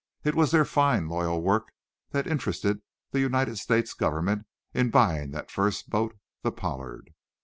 It was their fine, loyal work that interested the United States government in buying that first boat, the "Pollard."